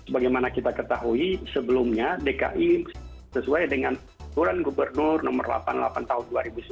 bagaimana kita ketahui sebelumnya dki sesuai dengan turan gubernur nomor delapan puluh delapan tahun dua ribu sembilan belas